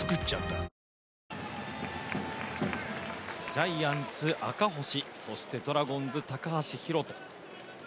ジャイアンツ・赤星、そしてドラゴンズ・高橋宏斗。